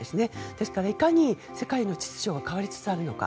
ですから、いかに世界の秩序が変わりつつあるのか。